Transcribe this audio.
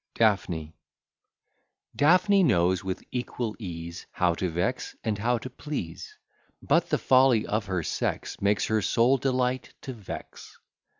_] DAPHNE Daphne knows, with equal ease, How to vex, and how to please; But the folly of her sex Makes her sole delight to vex.